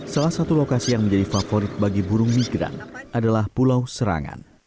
salah satu lokasi yang menjadi favorit bagi burung migran adalah pulau serangan